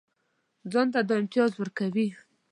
ځان ته دا امتیاز ورکوي.